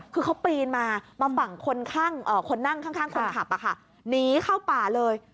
คือเขาปีนมามาฝั่งคนนั่งข้างคนขับหนีเข้าป่าเลย